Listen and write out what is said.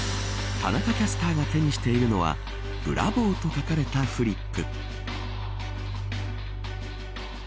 田中キャスターが手にしているのはブラボーと書かれたフリップ。